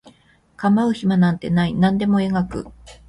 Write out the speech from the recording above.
構う暇なんてない何でも描く